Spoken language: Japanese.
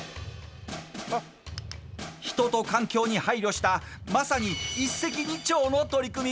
人と環境に配慮したまさに一石二鳥の取り組み。